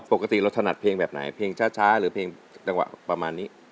ปกติเราถนัดเพลงแบบไหนเพลงช้าหรือเพลงจังหวะประมาณนี้